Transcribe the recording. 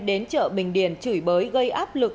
đến chợ bình điền chửi bới gây áp lực